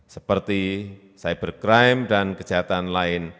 seperti cybercrime dan kejahatan lain